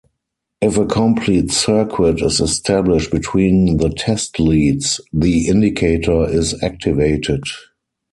If a complete circuit is established between the test-leads, the indicator is activated.